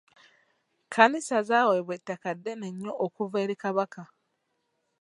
Kkanisa zaaweebwa ettaka ddene nnyo okuva eri Kabaka.